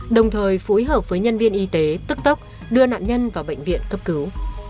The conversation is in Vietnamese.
đồng thời phối hợp với nhân viên y tế tức tốc đưa nạn nhân vào bệnh viện cấp cứu